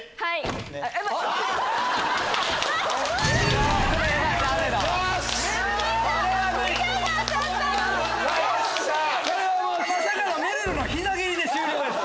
まさかのめるるの膝蹴りで終了です！